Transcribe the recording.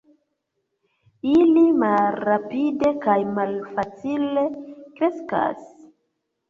Ili malrapide kaj malfacile kreskas.